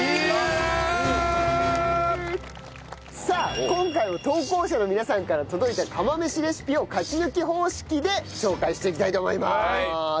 さあ今回も投稿者の皆さんから届いた釜飯レシピを勝ち抜き方式で紹介していきたいと思います。